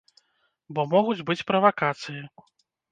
Бо могуць быць правакацыі.